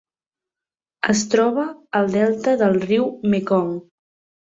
Es troba al delta del riu Mekong.